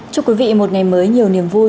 chúc quý vị một ngày mới nhiều niềm vui